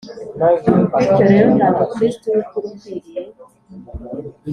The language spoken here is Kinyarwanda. Bityo rero nta Mukristo w ukuri ukwiriye